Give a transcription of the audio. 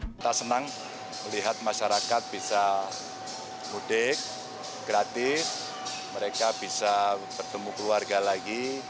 kita senang melihat masyarakat bisa mudik gratis mereka bisa bertemu keluarga lagi